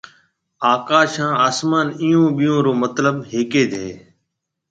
آڪاش هانَ آسمان اِيئون ٻيئون رو مطلب ھيَََڪج ھيََََ۔